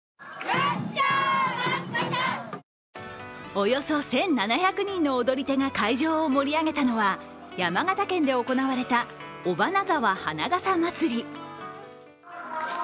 およそ１７００人の踊り手が会場を盛り上げたのは山形県で行われたおばなざわ花笠まつり。